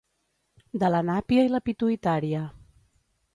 De la nàpia i la pituïtària.